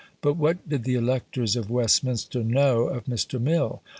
But what did the electors of Westminster know of Mr. Mill?